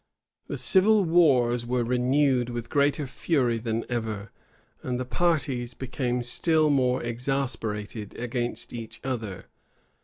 [*]* Davila, lib. iv. The civil wars were renewed with greater fury than ever, and the parties became still more exasperated against each other.